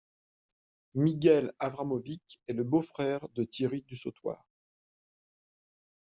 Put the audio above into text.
Miguel Avramovic est le beau frère de Thierry Dusautoir.